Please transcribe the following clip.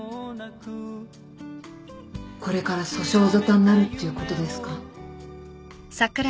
これから訴訟沙汰になるっていうことですか？